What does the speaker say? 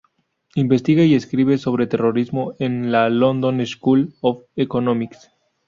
Investiga y escribe sobre terrorismo en la London School of Economics.